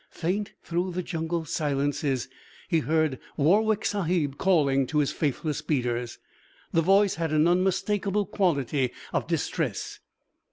Faint through the jungle silences he heard Warwick Sahib calling to his faithless beaters. The voice had an unmistakable quality of distress.